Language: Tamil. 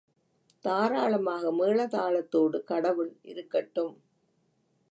தாராளமாக மேள தாளத்தோடு கடவுள் இருக்கட்டும்!